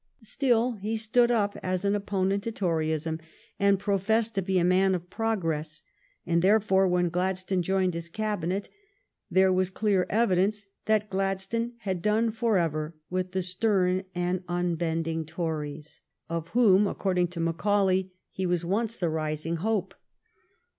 Still, he stood up as an opponent to Toryism, and professed to be a man of progress ; and therefore, when Gladstone joined his Cabinet, there was clear evidence that Gladstone had done forever with the "stern and unbending Tories," 1 88 THE STORY OF GLADSTONES LIFE of whom, according to Macaulay, he was once the rising hope.